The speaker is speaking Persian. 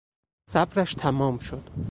صبرش تمام شد.